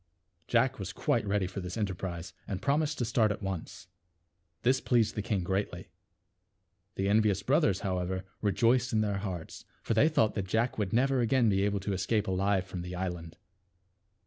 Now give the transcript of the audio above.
Jack was quite ready for this enterprise, and promised to start at once. This pleased the king greatly. The envious brothers, however, rejoiced in their hearts ; for they thought that J ack would never again be able to escape alive from the island.